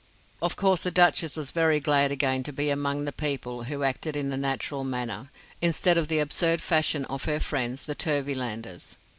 Of course the Duchess was very glad again to be among the people who acted in a natural manner, instead of the absurd fashion of her friends, the Turvylanders.